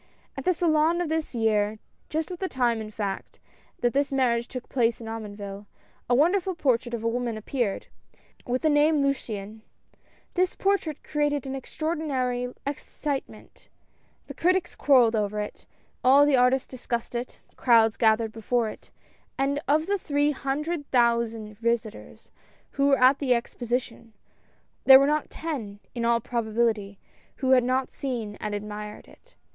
At the Salon of this year, just at the time in fact, that this marriage took place at Omonville, a wonder ful portrait of a woman appeared, with thq name Luciane. This portrait created an extraordinary ex citement. The critics quarreled over it, all the artists discussed it, crowds gathered before it, and of the three hundred thousand visitors, who were at the Exposition, there were not ten, in all probability, who had not seen and admired it.